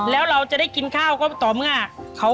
แล้วเราจะได้กินข้าวก็ต่อเมื่อ